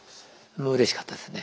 うれしかったですね。